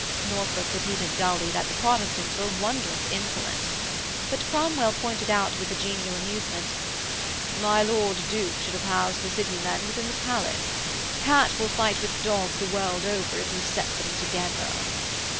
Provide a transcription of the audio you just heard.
Norfolk repeated dully that the Protestants were wondrous insolent. But Cromwell pointed out with a genial amusement: 'My Lord Duke should have housed the City men within the palace. Cat will fight with dog the world over if you set them together.'